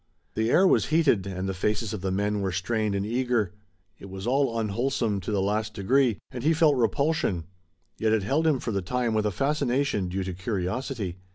The air was heated, and the faces of the men were strained and eager. It was all unwholesome to the last degree, and he felt repulsion, yet it held him for the time with a fascination due to curiosity.